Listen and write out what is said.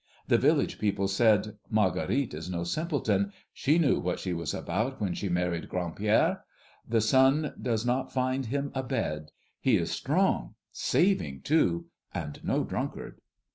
The village people said, "Marguerite is no simpleton. She knew what she was about when she married Grand Pierre. The sun does not find him abed. He is strong, saving too, and no drunkard."